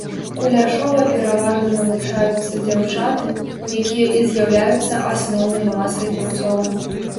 Куляшова пераважна навучаюцца дзяўчаты, якія і з'яўляюцца асноўнай масай курцоў.